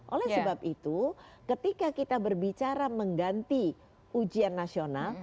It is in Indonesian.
oleh sebab itu ketika kita berbicara mengganti ujian nasional